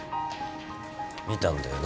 見たんだよな？